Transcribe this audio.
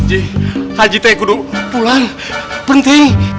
ji haji teguh pulang penting